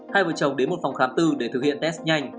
hai vợ chồng đến một phòng khám tư để thực hiện test nhanh